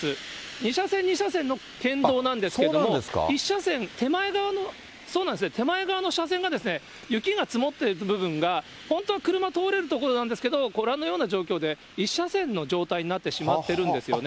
２車線、２車線の県道なんですけども、１車線、手前側の、そうなんですね、手前側の車線が、雪が積もっている部分が本当は車通れる所なんですけれども、ご覧のような状況で、１車線の状態になってしまってるんですよね。